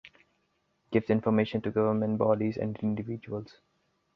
Gives information to government bodies and individuals.